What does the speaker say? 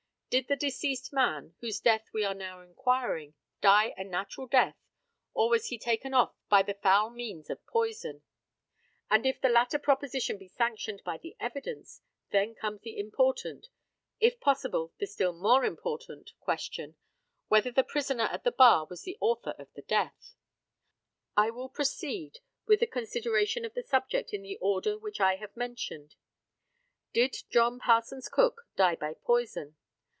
Did the deceased man, into whose death we are now inquiring, die a natural death, or was he taken off by the foul means of poison? And if the latter proposition be sanctioned by the evidence, then comes the important if possible, the still more important question, whether the prisoner at the bar was the author of the death? I will proceed with the consideration of the subject in the order which I have mentioned. Did John Parsons Cook die by poison?